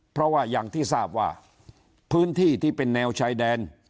เพราะว่าอย่างที่ทราบว่าพื้นที่ที่เป็นแนวชายแดน